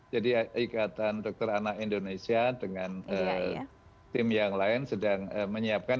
jadi ikatan dokter anak indonesia dengan tim yang lain sedang menyiapkan